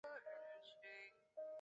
喀喇昆仑公路经过此地。